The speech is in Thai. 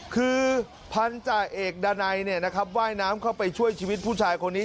คือพันธาเอกดานัยว่ายน้ำเข้าไปช่วยชีวิตผู้ชายคนนี้